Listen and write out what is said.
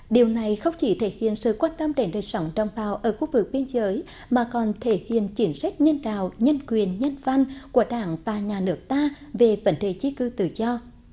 điều này không chỉ thể hiện sự quan tâm đến đời sống đồng bào ở khu vực biên giới mà còn thể hiện chiến sách nhân đạo nhân quyền nhân văn của đảng và nhà nước ta về vấn đề chí cư tự do